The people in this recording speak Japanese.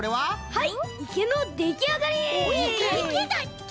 はい。